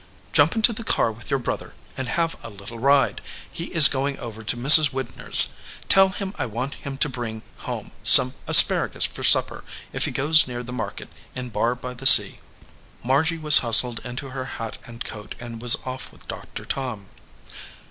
"Jump into the car with your brother and have a little ride," said Sarah. "He is going over fo Mrs. Widner s. Tell him I want him to bring home some asparagus for supper if he goes near the market in Barr by the Sea." Margy was hustled into her hat and coat and was off with Doctor Tom.